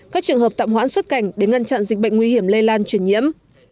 các trường hợp tạm hoãn xuất cảnh để ngăn chặn dịch bệnh nguy hiểm lây lan chuyển nhiễm